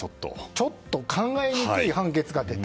ちょっと考えにくい判決が出た。